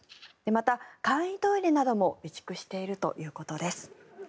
また簡易トイレなども備蓄しているということです。